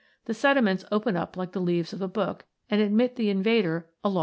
The sediments open up like the leaves of a book and admit the invader along Fig.